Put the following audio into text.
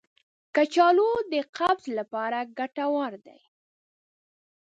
کچالو د قبض لپاره ګټور دی.